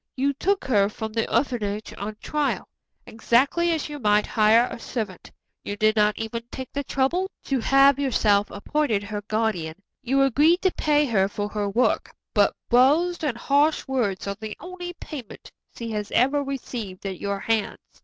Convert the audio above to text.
You took her from the orphanage on trial, exactly as you might hire a servant. You did not even take the trouble to have yourself appointed her guardian. You agreed to pay her for her work, but blows and harsh words are the only payment she has ever received at your hands.